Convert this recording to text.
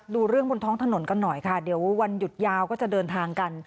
ดูเรื่องบนท้องถนนกันหน่อยค่ะเดี๋ยววันหยุดยาวก็จะเดินทางกัน